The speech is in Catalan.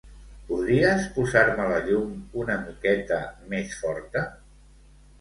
Podries posar-me la llum una miqueta més forta?